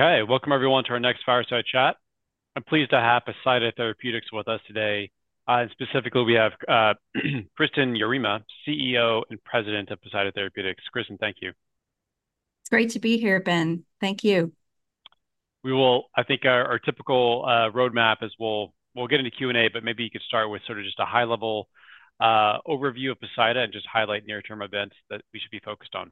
Okay, welcome everyone to our next Fireside Chat. I'm pleased to have Poseida Therapeutics with us today. Specifically, we have Kristin Yarema, CEO and President of Poseida Therapeutics. Kristin, thank you. It's great to be here, Ben. Thank you. I think our typical roadmap is we'll get into Q&A, but maybe you could start with sort of just a high-level overview of Poseida and just highlight near-term events that we should be focused on.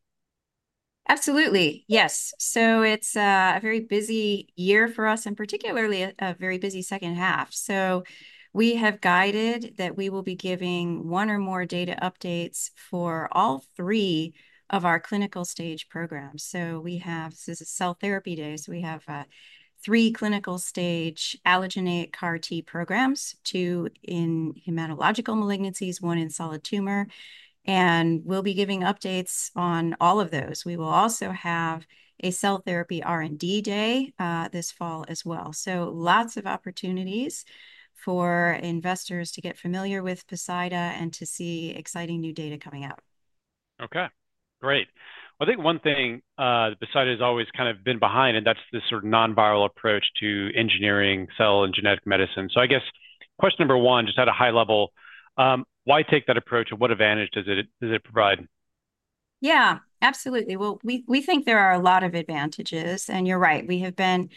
Absolutely. Yes. So it's a very busy year for us, and particularly a very busy second half. So we have guided that we will be giving one or more data updates for all three of our clinical stage programs. So we have... This is Cell Therapy Day, so we have three clinical stage allogeneic CAR T programs, two in hematological malignancies, one in solid tumor, and we'll be giving updates on all of those. We will also have a Cell Therapy R&D Day this fall as well. So lots of opportunities for investors to get familiar with Poseida and to see exciting new data coming out. Okay, great. I think one thing that Poseida has always kind of been behind, and that's the sort of non-viral approach to engineering cell and genetic medicine. So I guess, question number one, just at a high level, why take that approach, and what advantage does it, does it provide? Yeah, absolutely. Well, we, we think there are a lot of advantages, and you're right. We have been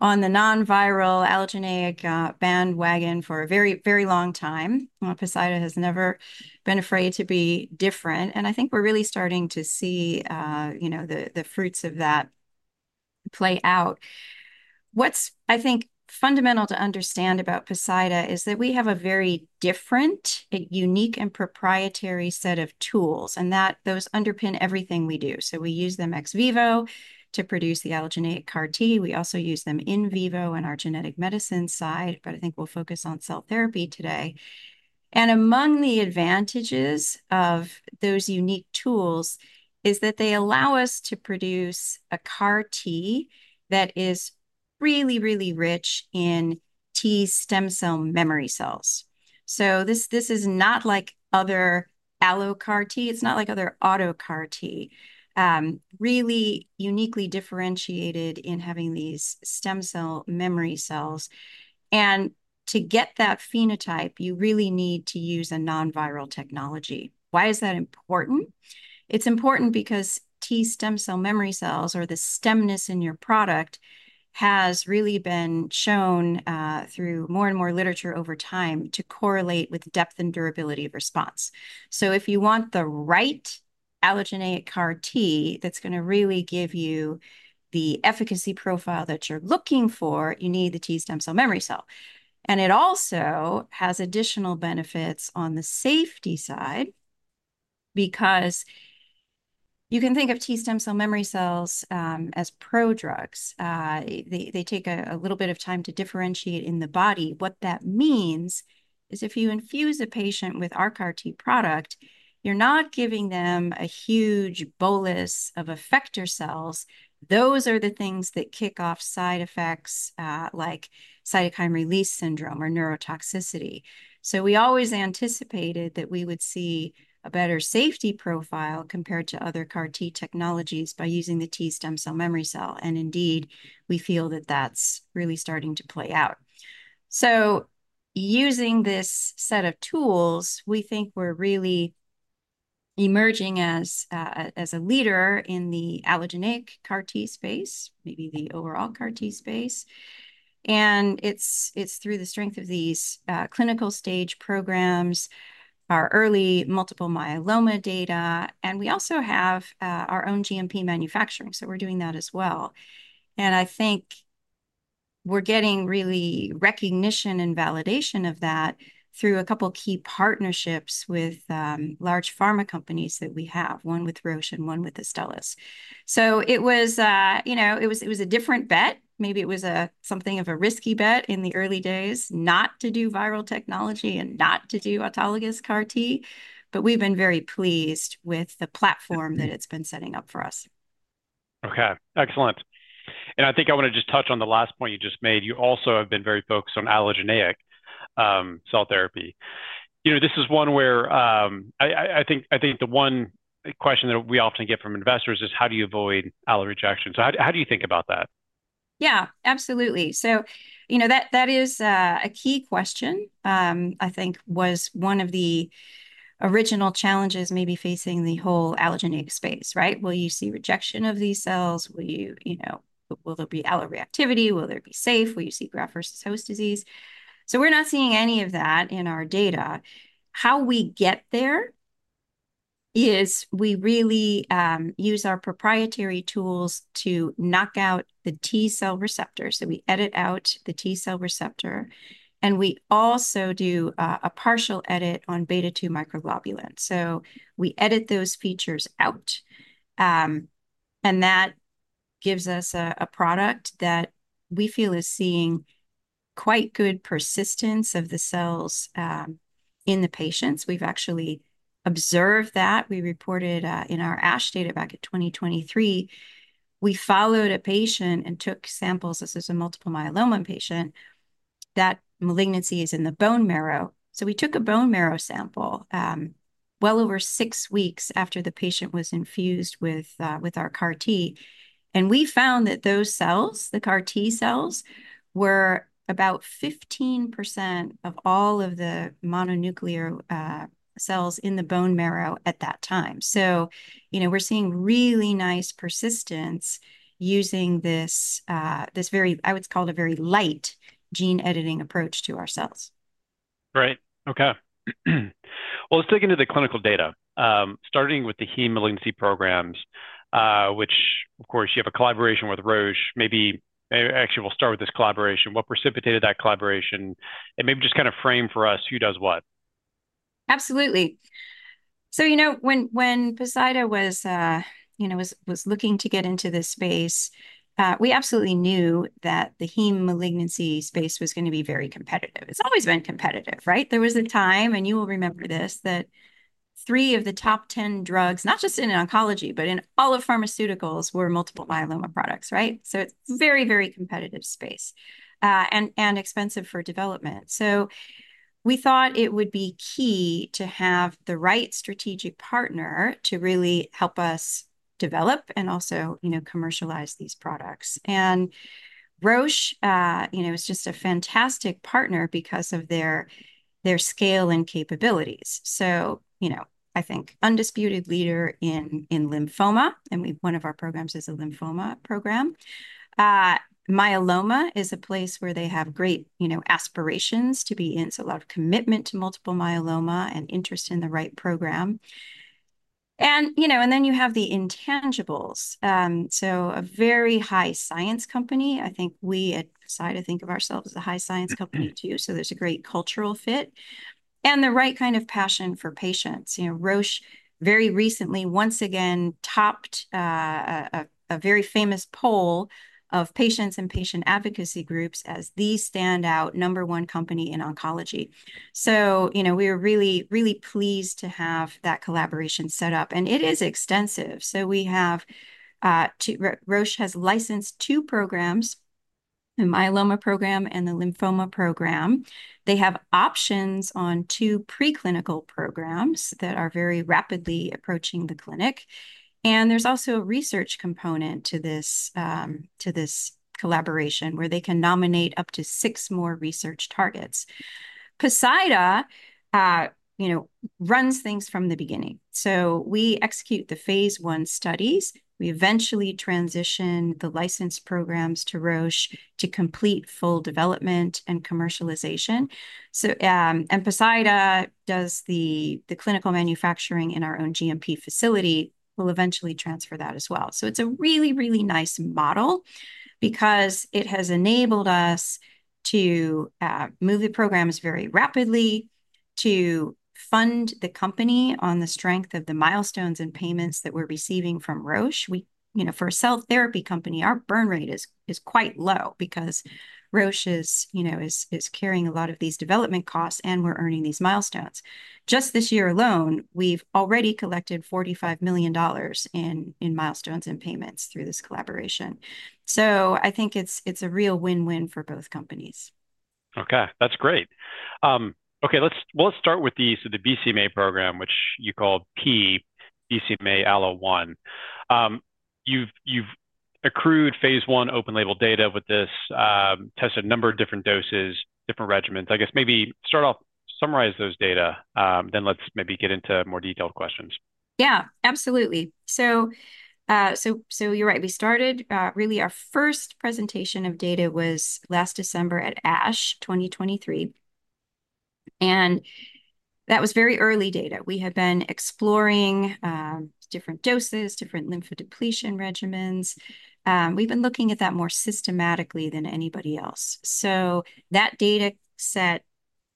on the non-viral allogeneic bandwagon for a very, very long time. Poseida has never been afraid to be different, and I think we're really starting to see, you know, the fruits of that play out. What's, I think, fundamental to understand about Poseida is that we have a very different, a unique and proprietary set of tools, and that those underpin everything we do. So we use them ex vivo to produce the allogeneic CAR T. We also use them in vivo in our genetic medicine side, but I think we'll focus on cell therapy today. And among the advantages of those unique tools is that they allow us to produce a CAR T that is really, really rich in T stem cell memory cells. So this is not like other allo CAR T, it's not like other auto CAR T. Really uniquely differentiated in having these stem cell memory cells. And to get that phenotype, you really need to use a non-viral technology. Why is that important? It's important because T stem cell memory cells, or the stemness in your product, has really been shown through more and more literature over time to correlate with depth and durability of response. So if you want the right allogeneic CAR T that's gonna really give you the efficacy profile that you're looking for, you need the T stem cell memory cell. And it also has additional benefits on the safety side, because you can think of T stem cell memory cells as prodrugs. They take a little bit of time to differentiate in the body. What that means is, if you infuse a patient with our CAR T product, you're not giving them a huge bolus of effector cells. Those are the things that kick off side effects, like cytokine release syndrome or neurotoxicity. So we always anticipated that we would see a better safety profile compared to other CAR T technologies by using the T stem cell memory cell, and indeed, we feel that that's really starting to play out. So using this set of tools, we think we're really emerging as a leader in the allogeneic CAR T space, maybe the overall CAR T space, and it's through the strength of these clinical stage programs, our early multiple myeloma data, and we also have our own GMP manufacturing, so we're doing that as well. I think we're getting really recognition and validation of that through a couple key partnerships with large pharma companies that we have, one with Roche and one with Astellas. So it was, you know, it was, it was a different bet. Maybe it was a something of a risky bet in the early days not to do viral technology and not to do autologous CAR T, but we've been very pleased with the platform that it's been setting up for us. Okay, excellent. I think I want to just touch on the last point you just made. You also have been very focused on allogeneic cell therapy. You know, this is one where I think the one question that we often get from investors is, how do you avoid allo rejection? So how do you think about that? Yeah, absolutely. So you know, that is a key question. I think was one of the original challenges maybe facing the whole allogeneic space, right? Will you see rejection of these cells? Will you... You know, will there be alloreactivity? Will they be safe? Will you see graft-versus-host disease? So we're not seeing any of that in our data. How we get there is we really use our proprietary tools to knock out the T-cell receptor, so we edit out the T-cell receptor, and we also do a partial edit on beta-2-microglobulin. So we edit those features out, and that gives us a product that we feel is seeing quite good persistence of the cells in the patients. We've actually observed that. We reported in our ASH data back in 2023, we followed a patient and took samples. This is a multiple myeloma patient that malignancy is in the bone marrow. So we took a bone marrow sample, well over six weeks after the patient was infused with our CAR T, and we found that those cells, the CAR T-cells, were about 15% of all of the mononuclear cells in the bone marrow at that time. So, you know, we're seeing really nice persistence using this, this very, I would call it, a very light gene-editing approach to our cells. Great. Okay. Well, let's dig into the clinical data, starting with the heme malignancy programs, which, of course, you have a collaboration with Roche. Maybe actually, we'll start with this collaboration. What precipitated that collaboration? And maybe just kind of frame for us who does what. Absolutely. So, you know, when Poseida was looking to get into this space, we absolutely knew that the heme malignancy space was gonna be very competitive. It's always been competitive, right? There was a time, and you will remember this, that three of the top 10 drugs, not just in oncology, but in all of pharmaceuticals, were multiple myeloma products, right? So it's a very, very competitive space, and expensive for development. So we thought it would be key to have the right strategic partner to really help us develop and also, you know, commercialize these products. And Roche, you know, is just a fantastic partner because of their scale and capabilities. So, you know, I think undisputed leader in lymphoma, and one of our programs is a lymphoma program. Myeloma is a place where they have great, you know, aspirations to be, and so a lot of commitment to multiple myeloma and interest in the right program. And, you know, and then you have the intangibles. So a very high science company. I think we at Poseida think of ourselves as a high science company, too- Mm-hmm... so there's a great cultural fit, and the right kind of passion for patients. You know, Roche, very recently, once again, topped a very famous poll of patients and patient advocacy groups as the standout number one company in oncology. So, you know, we are really, really pleased to have that collaboration set up, and it is extensive. So we have two. Roche has licensed two programs, the myeloma program and the lymphoma program. They have options on two preclinical programs that are very rapidly approaching the clinic, and there's also a research component to this collaboration, where they can nominate up to six more research targets. Poseida, you know, runs things from the beginning. So we execute the phase I studies. We eventually transition the licensed programs to Roche to complete full development and commercialization. So, and Poseida does the clinical manufacturing in our own GMP facility. We'll eventually transfer that as well. So it's a really, really nice model because it has enabled us to move the programs very rapidly, to fund the company on the strength of the milestones and payments that we're receiving from Roche. You know, for a cell therapy company, our burn rate is quite low because Roche is, you know, carrying a lot of these development costs, and we're earning these milestones. Just this year alone, we've already collected $45 million in milestones and payments through this collaboration. So I think it's a real win-win for both companies. Okay, that's great. Okay, let's start with the BCMA program, which you call P-BCMA-ALLO1. You've accrued phase I open label data with this, tested a number of different doses, different regimens. I guess maybe start off, summarize those data, then let's maybe get into more detailed questions. Yeah, absolutely. So, you're right. We started. Really, our first presentation of data was last December at ASH 2023, and that was very early data. We had been exploring different doses, different lymphodepletion regimens. We've been looking at that more systematically than anybody else. So that data set,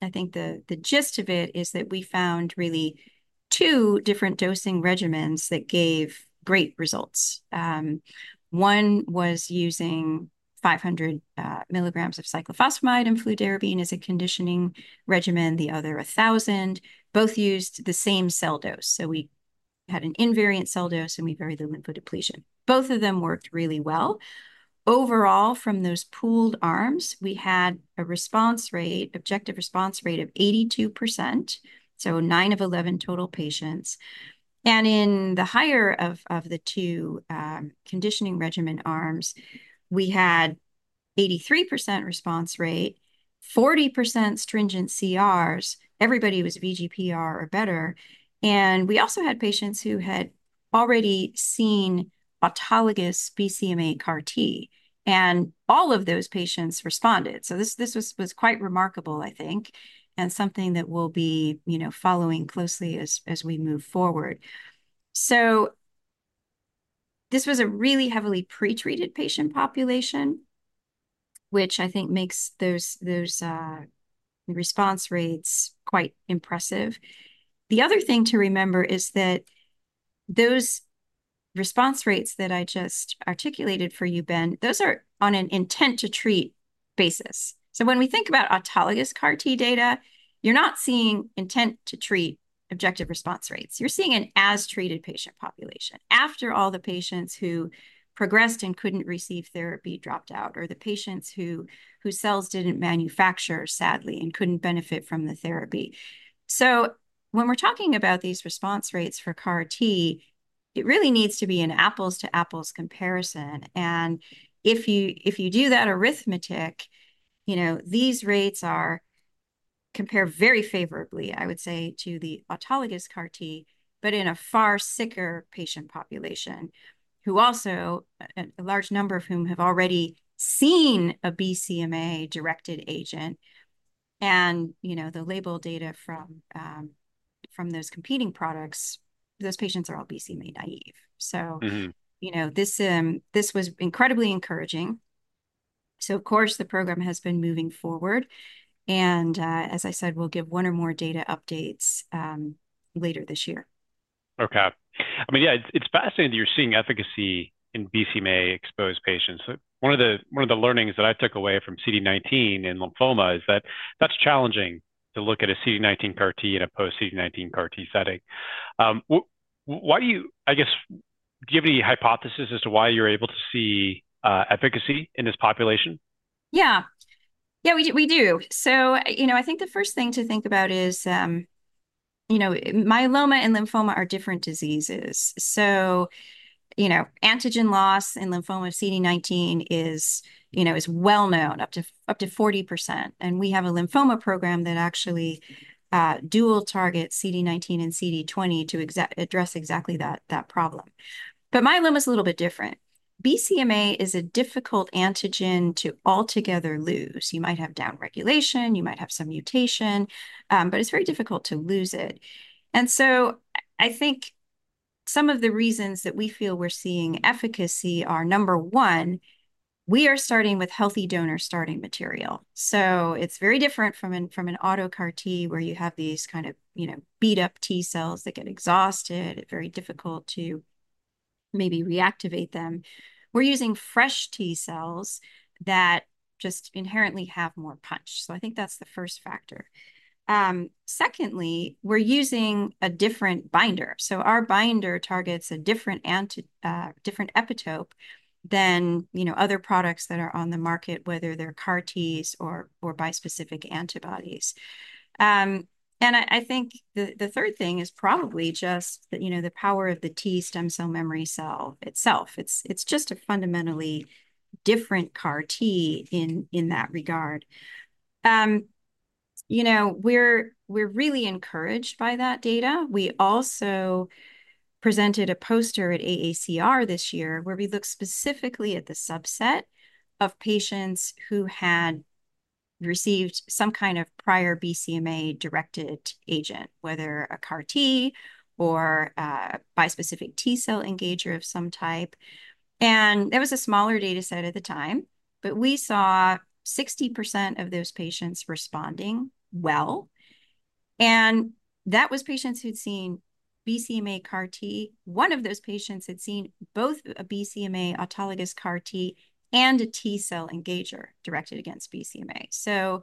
I think the gist of it is that we found really two different dosing regimens that gave great results. One was using 500 mg of cyclophosphamide and fludarabine as a conditioning regimen, the other, 1,000. Both used the same cell dose, so we had an invariant cell dose, and we varied the lymphodepletion. Both of them worked really well. Overall, from those pooled arms, we had a response rate, objective response rate of 82%, so nine of 11 total patients. In the higher of the two conditioning regimen arms, we had 83% response rate, 40% stringent CRs. Everybody was VGPR or better, and we also had patients who had already seen autologous BCMA CAR T, and all of those patients responded. So this was quite remarkable, I think, and something that we'll be, you know, following closely as we move forward. So this was a really heavily pretreated patient population, which I think makes those response rates quite impressive. The other thing to remember is that those response rates that I just articulated for you, Ben, those are on an intent-to-treat basis. So when we think about autologous CAR T data, you're not seeing intent-to-treat objective response rates. You're seeing an as-treated patient population, after all the patients who progressed and couldn't receive therapy dropped out, or the patients whose cells didn't manufacture, sadly, and couldn't benefit from the therapy. So when we're talking about these response rates for CAR T, it really needs to be an apples to apples comparison. And if you, if you do that arithmetic, you know, these rates are, compare very favorably, I would say, to the autologous CAR T, but in a far sicker patient population, who also, a large number of whom have already seen a BCMA-directed agent. And, you know, the label data from those competing products, those patients are all BCMA naive. So Mm-hmm. You know, this was incredibly encouraging. So, of course, the program has been moving forward. And, as I said, we'll give one or more data updates, later this year. Okay. I mean, yeah, it's fascinating that you're seeing efficacy in BCMA-exposed patients. One of the learnings that I took away from CD19 in lymphoma is that that's challenging, to look at a CD19 CAR T in a post-CD19 CAR T setting. Why you... I guess, do you have any hypothesis as to why you're able to see efficacy in this population? Yeah. Yeah, we do. So, you know, I think the first thing to think about is, you know, myeloma and lymphoma are different diseases. So, you know, antigen loss in lymphoma CD19 is, you know, is well-known, up to 40%. And we have a lymphoma program that actually dual targets CD19 and CD20 to address exactly that problem. But myeloma's a little bit different. BCMA is a difficult antigen to altogether lose. You might have downregulation, you might have some mutation, but it's very difficult to lose it. And so I think some of the reasons that we feel we're seeing efficacy are, number one, we are starting with healthy donor starting material. So it's very different from an auto CAR T, where you have these kind of, you know, beat-up T cells that get exhausted and very difficult to maybe reactivate them. We're using fresh T cells that just inherently have more punch, so I think that's the first factor. Secondly, we're using a different binder. So our binder targets a different epitope than, you know, other products that are on the market, whether they're CAR Ts or bispecific antibodies. And I think the third thing is probably just the, you know, the power of the T stem cell memory cell itself. It's just a fundamentally different CAR T in that regard. You know, we're really encouraged by that data. We also presented a poster at AACR this year, where we looked specifically at the subset of patients who had received some kind of prior BCMA-directed agent, whether a CAR T or a bispecific T-cell engager of some type. It was a smaller data set at the time, but we saw 60% of those patients responding well, and that was patients who'd seen BCMA CAR T. One of those patients had seen both a BCMA autologous CAR T and a T-cell engager directed against BCMA.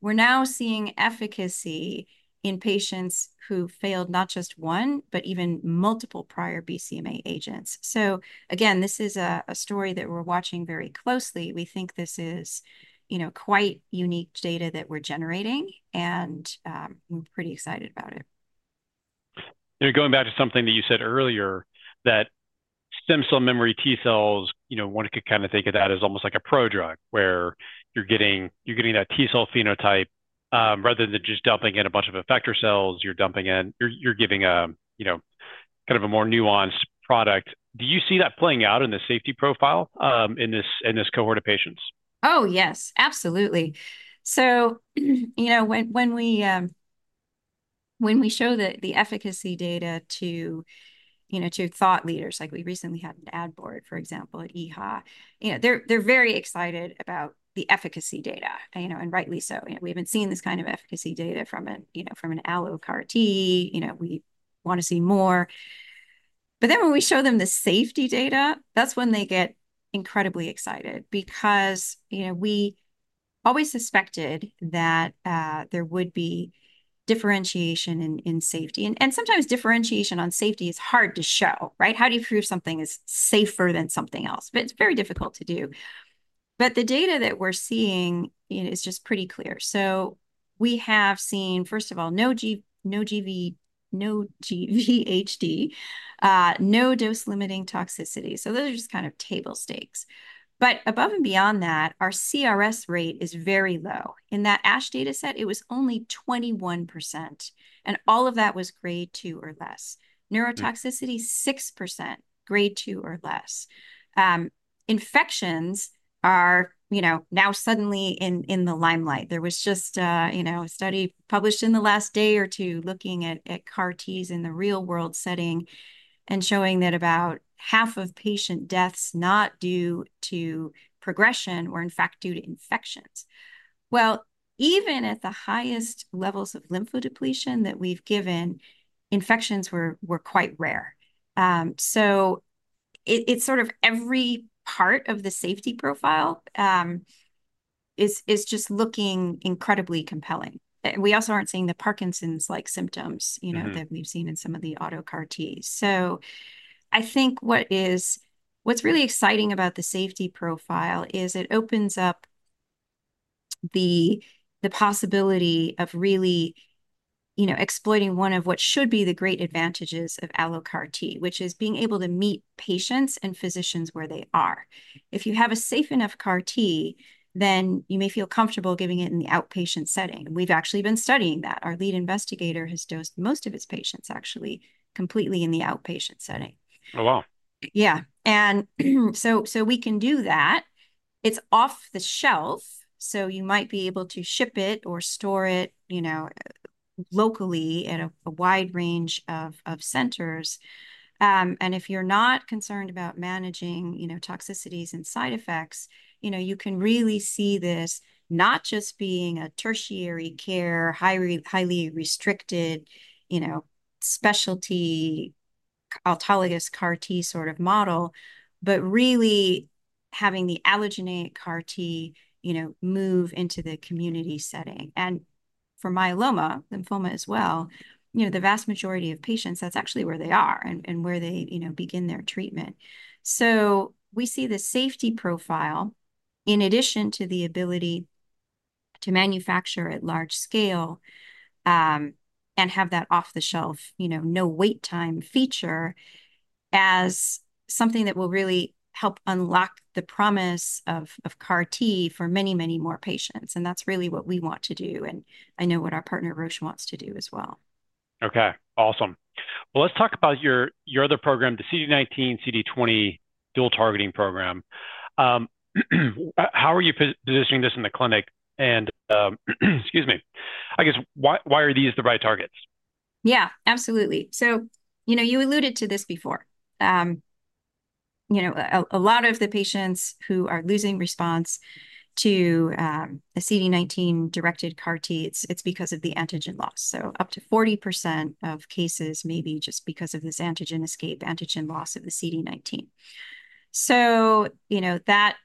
We're now seeing efficacy in patients who failed not just one, but even multiple prior BCMA agents. Again, this is a story that we're watching very closely. We think this is, you know, quite unique data that we're generating, and we're pretty excited about it. You know, going back to something that you said earlier, that stem cell memory T cells, you know, one could kind of think of that as almost like a prodrug, where you're getting, you're getting a T cell phenotype. Rather than just dumping in a bunch of effector cells, you're dumping in... You're, you're giving a, you know, kind of a more nuanced product. Do you see that playing out in the safety profile, in this, in this cohort of patients? Oh, yes, absolutely. So, you know, when we show the efficacy data to, you know, to thought leaders, like we recently had an ad board, for example, at EHA, you know, they're very excited about the efficacy data, you know, and rightly so. You know, we haven't seen this kind of efficacy data from an allo CAR T. You know, we want to see more. But then when we show them the safety data, that's when they get incredibly excited because, you know, we always suspected that there would be differentiation in safety. And sometimes differentiation on safety is hard to show, right? How do you prove something is safer than something else? But it's very difficult to do. But the data that we're seeing, you know, is just pretty clear. So we have seen, first of all, no GVHD, no dose-limiting toxicity, so those are just kind of table stakes. But above and beyond that, our CRS rate is very low. In that ASH data set, it was only 21%, and all of that was Grade 2 or less. Mm. Neurotoxicity, 6%, Grade 2 or less. Infections are, you know, now suddenly in the limelight. There was just a, you know, a study published in the last day or two looking at, at CAR Ts in the real-world setting and showing that about half of patient deaths not due to progression were in fact due to infections. Well, even at the highest levels of lymphodepletion that we've given, infections were quite rare. So it, it's sort of every part of the safety profile is just looking incredibly compelling. And we also aren't seeing the Parkinson's-like symptoms- Mm-hmm. You know, that we've seen in some of the auto CAR Ts. So I think what's really exciting about the safety profile is it opens up the possibility of really, you know, exploiting one of what should be the great advantages of allo CAR T, which is being able to meet patients and physicians where they are. If you have a safe enough CAR T, then you may feel comfortable giving it in the outpatient setting, and we've actually been studying that. Our lead investigator has dosed most of his patients actually completely in the outpatient setting. Oh, wow! Yeah. And so, so we can do that. It's off the shelf, so you might be able to ship it or store it, you know, locally at a wide range of centers. And if you're not concerned about managing, you know, toxicities and side effects, you know, you can really see this not just being a tertiary care, highly restricted, you know, specialty autologous CAR T sort of model, but really having the allogeneic CAR T, you know, move into the community setting. And for myeloma, lymphoma as well, you know, the vast majority of patients, that's actually where they are and where they, you know, begin their treatment. So we see the safety profile, in addition to the ability to manufacture at large scale, and have that off-the-shelf, you know, no wait time feature, as something that will really help unlock the promise of, of CAR T for many, many more patients, and that's really what we want to do, and I know what our partner, Roche, wants to do as well. Okay. Awesome. Well, let's talk about your other program, the CD19/CD20 dual targeting program. How are you positioning this in the clinic? And, excuse me, I guess, why are these the right targets? Yeah, absolutely. So, you know, you alluded to this before. You know, a lot of the patients who are losing response to a CD19-directed CAR T, it's because of the antigen loss. So up to 40% of cases may be just because of this antigen escape, antigen loss of the CD19. So you know, that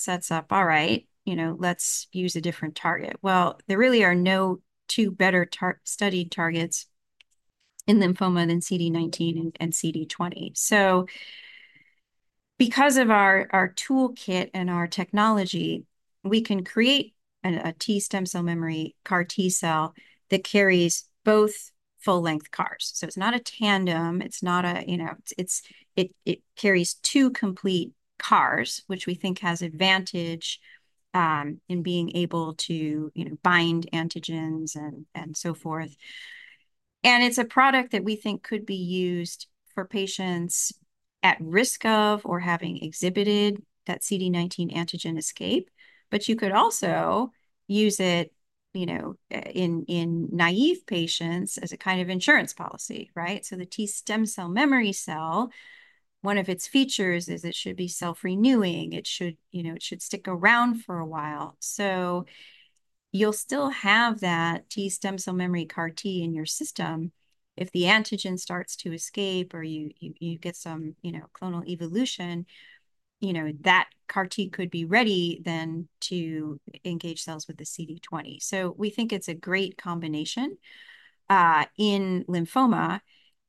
sets up, "All right, you know, let's use a different target." Well, there really are no two better-studied targets in lymphoma than CD19 and CD20. So because of our toolkit and our technology, we can create a T stem cell memory CAR T cell that carries both full-length CARs. So it's not a tandem, it's not a, you know... it carries two complete CARs, which we think has advantage in being able to, you know, bind antigens and so forth. It's a product that we think could be used for patients at risk of or having exhibited that CD19 antigen escape. But you could also use it, you know, in naive patients as a kind of insurance policy, right? So the T stem cell memory cell, one of its features is it should be self-renewing, it should, you know, it should stick around for a while. So you'll still have that T stem cell memory CAR T in your system. If the antigen starts to escape or you get some, you know, clonal evolution, you know, that CAR T could be ready then to engage cells with the CD20. So we think it's a great combination in lymphoma.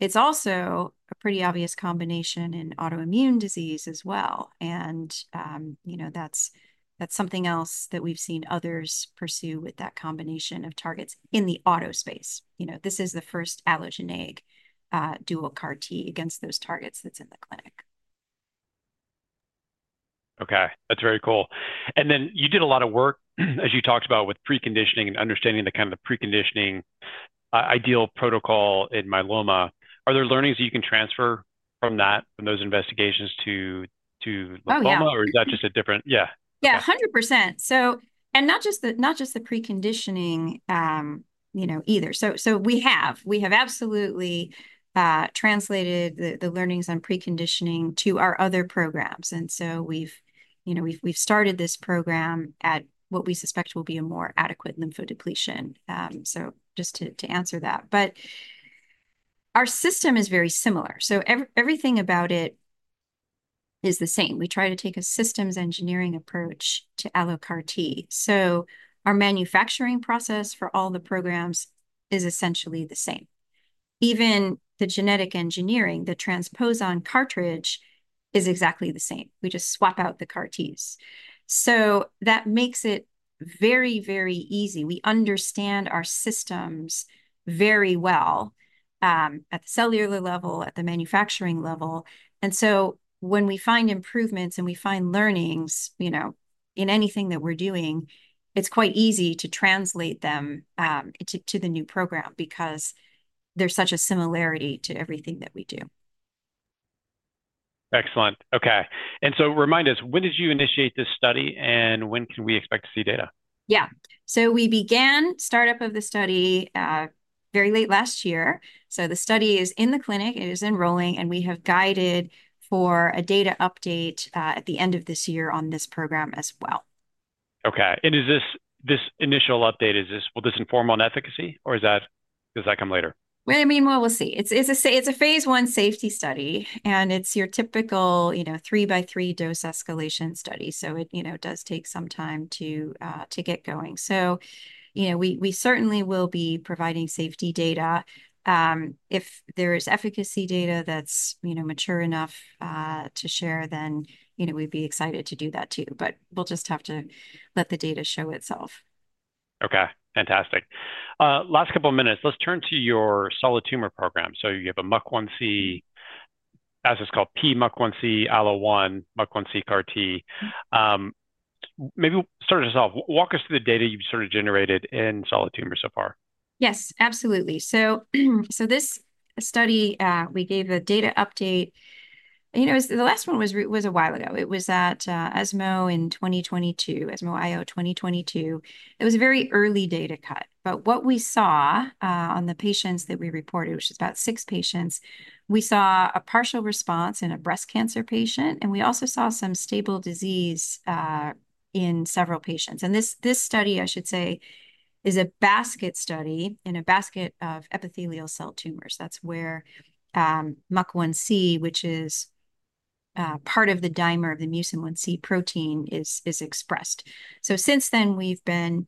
It's also a pretty obvious combination in autoimmune disease as well, and, you know, that's, that's something else that we've seen others pursue with that combination of targets in the auto space. You know, this is the first allogeneic, dual CAR T against those targets that's in the clinic. Okay, that's very cool. And then, you did a lot of work, as you talked about, with preconditioning and understanding the kind of the preconditioning, ideal protocol in myeloma. Are there learnings that you can transfer from that, from those investigations, to, to lymphoma? Oh, yeah. Or is that just a different... Yeah. Yeah, 100%. So, and not just the preconditioning, you know, either. So, we have. We have absolutely translated the learnings on preconditioning to our other programs, and so we've, you know, we've started this program at what we suspect will be a more adequate lymphodepletion. So just to answer that. But our system is very similar, so everything about it is the same. We try to take a systems engineering approach to allo CAR T. So our manufacturing process for all the programs is essentially the same. Even the genetic engineering, the transposon cartridge, is exactly the same. We just swap out the CAR Ts. So that makes it very, very easy. We understand our systems very well at the cellular level, at the manufacturing level, and so when we find improvements and we find learnings, you know, in anything that we're doing, it's quite easy to translate them to the new program because there's such a similarity to everything that we do. Excellent. Okay. And so remind us, when did you initiate this study, and when can we expect to see data? Yeah. So we began startup of the study, very late last year. So the study is in the clinic, it is enrolling, and we have guided for a data update, at the end of this year on this program as well. Okay. And is this initial update... will this inform on efficacy, or is that... Does that come later? Well, we'll see. It's a phase I safety study, and it's your typical, you know, three-by-three dose escalation study, so it, you know, does take some time to get going. So, you know, we certainly will be providing safety data. If there is efficacy data that's, you know, mature enough to share, then, you know, we'd be excited to do that, too. But we'll just have to let the data show itself. Okay, fantastic. Last couple of minutes, let's turn to your solid tumor program. So you have a MUC1-C, as it's called, P-MUC1C-ALLO1 MUC1-C CAR T. Maybe start us off. Walk us through the data you've sort of generated in solid tumor so far. Yes, absolutely. So this study, we gave a data update. You know, the last one was a while ago. It was at ESMO in 2022, ESMO IO 2022. It was a very early data cut, but what we saw on the patients that we reported, which is about six patients, we saw a partial response in a breast cancer patient, and we also saw some stable disease in several patients. And this study, I should say, is a basket study in a basket of epithelial cell tumors. That's where MUC1-C, which is part of the dimer of the MUC1-C protein, is expressed. So since then, we've been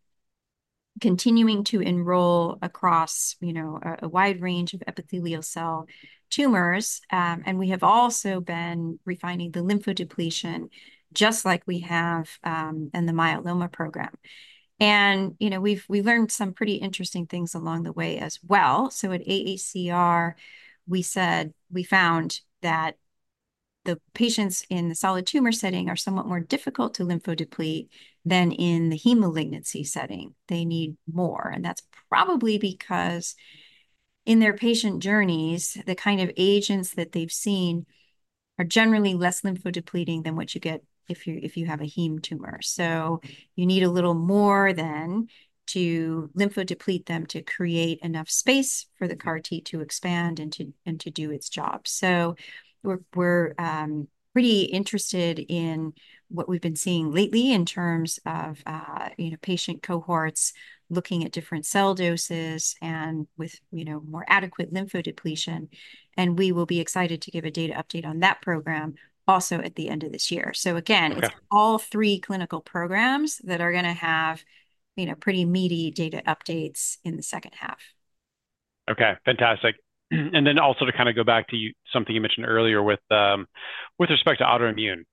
continuing to enroll across a wide range of epithelial cell tumors, and we have also been refining the lymphodepletion, just like we have in the myeloma program. You know, we've learned some pretty interesting things along the way as well. So at AACR, we said we found that the patients in the solid tumor setting are somewhat more difficult to lymphodeplete than in the heme malignancy setting. They need more, and that's probably because in their patient journeys, the kind of agents that they've seen are generally less lymphodepleting than what you get if you have a heme tumor. So you need a little more then to lymphodeplete them, to create enough space for the CAR T to expand and to do its job. We're pretty interested in what we've been seeing lately in terms of, you know, patient cohorts, looking at different cell doses and with, you know, more adequate lymphodepletion, and we will be excited to give a data update on that program also at the end of this year. Okay. So again, it's all three clinical programs that are going to have, you know, pretty meaty data updates in the second half. Okay, fantastic. And then also, to kind of go back to something you mentioned earlier with respect to autoimmune,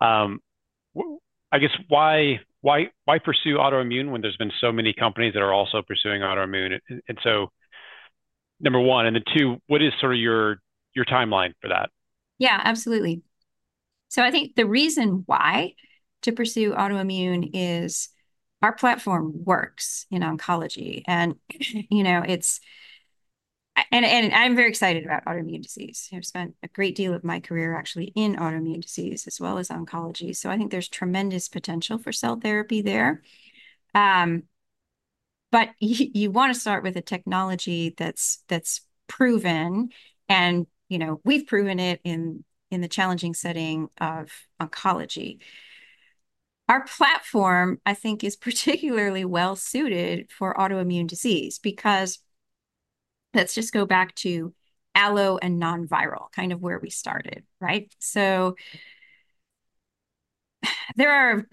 I guess why, why, why pursue autoimmune when there's been so many companies that are also pursuing autoimmune? And so, number one, and then two, what is sort of your timeline for that? Yeah, absolutely. So I think the reason why to pursue autoimmune is our platform works in oncology, and, you know, it's, and I'm very excited about autoimmune disease. I've spent a great deal of my career actually in autoimmune disease as well as oncology, so I think there's tremendous potential for cell therapy there. But you want to start with a technology that's proven, and, you know, we've proven it in the challenging setting of oncology. Our platform, I think, is particularly well-suited for autoimmune disease because... Let's just go back to allo and non-viral, kind of where we started, right? So there are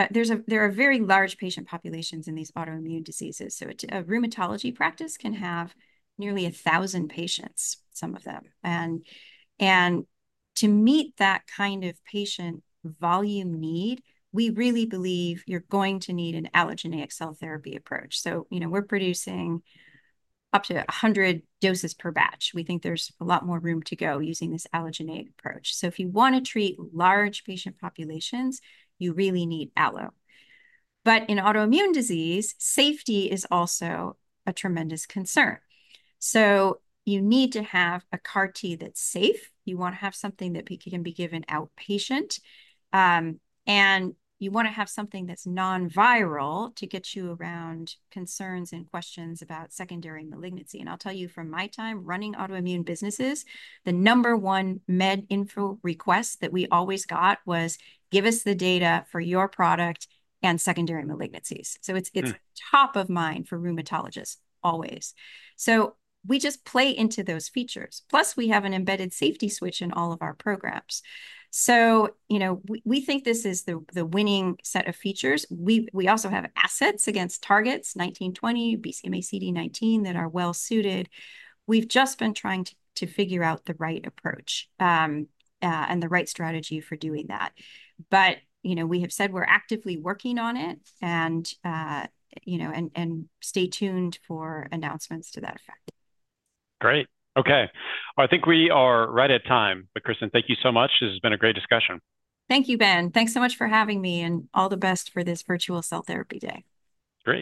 very large patient populations in these autoimmune diseases, so a rheumatology practice can have nearly 1,000 patients, some of them. To meet that kind of patient volume need, we really believe you're going to need an allogeneic cell therapy approach. So, you know, we're producing up to 100 doses per batch. We think there's a lot more room to go using this allogeneic approach. So if you want to treat large patient populations, you really need allo. But in autoimmune disease, safety is also a tremendous concern. So you need to have a CAR T that's safe. You want to have something that can be given outpatient, and you want to have something that's non-viral to get you around concerns and questions about secondary malignancy. And I'll tell you from my time running autoimmune businesses, the number one med info request that we always got was, "Give us the data for your product and secondary malignancies. Hmm. So it's top of mind for rheumatologists always. So we just play into those features. Plus, we have an embedded safety switch in all of our programs, so you know, we think this is the winning set of features. We also have assets against targets CD19, CD20, BCMA, CD19 that are well-suited. We've just been trying to figure out the right approach and the right strategy for doing that. But you know, we have said we're actively working on it, and you know, stay tuned for announcements to that effect. Great. Okay, I think we are right at time. But Kristen, thank you so much. This has been a great discussion. Thank you, Ben. Thanks so much for having me, and all the best for this Virtual Cell Therapy Day. Great.